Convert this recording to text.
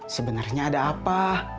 sebenernya ada apa